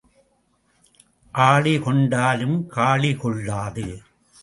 ஆழி கொண்டாலும் காழி கொள்ளாது.